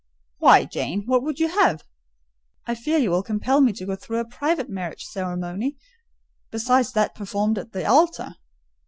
"Why, Jane, what would you have? I fear you will compel me to go through a private marriage ceremony, besides that performed at the altar.